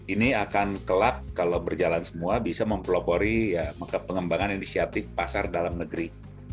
ini akan kelak kalau berjalan semua bisa mempelopori pengembangan inisiatif pasar dalam negeri